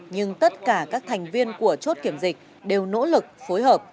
nhưng tất cả các thành viên của chốt kiểm dịch đều nỗ lực phối hợp